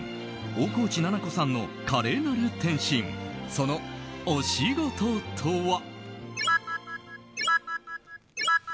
大河内奈々子さんの華麗なる転身そのお仕事とは？